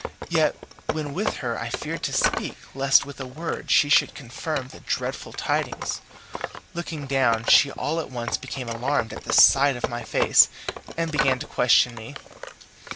Yet when with her I feared to speak lest with a word she should confirm the dreadful tidings. Looking down, she all at once became alarmed at the sight of my face, and began to question me.